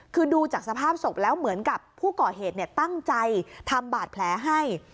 คือดูจากสภาพศพแล้วเหมือนกับผู้ก่อเหตุตั้งใจทำบาดแผลให้